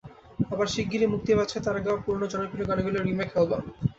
আবার শিগগিরই মুক্তি পাচ্ছে তাঁর গাওয়া পুরোনো জনপ্রিয় গানগুলোর রিমেক অ্যালবাম।